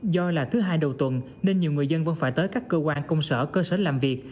do là thứ hai đầu tuần nên nhiều người dân vẫn phải tới các cơ quan công sở cơ sở làm việc